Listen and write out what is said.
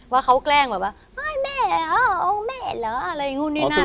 ว่าเขาแกล้งแบบว่าไอ้แม่เอ่อแม่เหรออะไรอย่างนู้นนี่นั่น